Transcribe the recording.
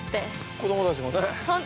◆子供たちもね。